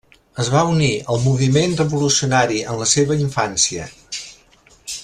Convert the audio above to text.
Es va unir al moviment revolucionari en la seva infància.